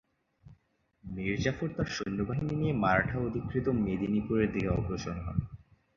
মীর জাফর তার সৈন্যবাহিনী নিয়ে মারাঠা-অধিকৃত মেদিনীপুরের দিকে অগ্রসর হন।